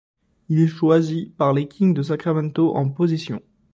Il est choisi par les Kings de Sacramento en position.